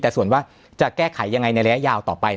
แต่ส่วนว่าจะแก้ไขยังไงในระยะยาวต่อไป